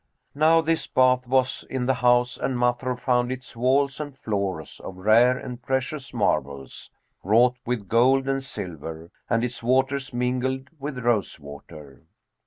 Now this bath was in the house and Masrur found its walls and floors of rare and precious marbles, wrought with gold and silver, and its waters mingled with rose water.